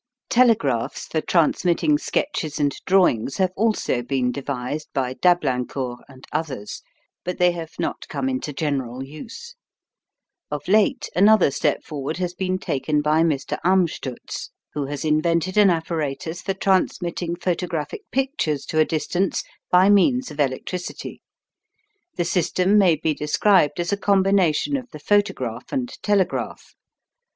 Telegraphs for transmitting sketches and drawings have also been devised by D'Ablincourt and others, but they have not come into general use. Of late another step forward has been taken by Mr. Amstutz, who has invented an apparatus for transmitting photographic pictures to a distance by means of electricity. The system may be described as a combination of the photograph and telegraph.